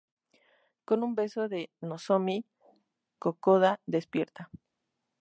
Con un beso de Nozomi, Kokoda despierta.